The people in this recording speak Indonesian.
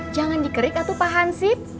jangan dikerik atuh pak hansip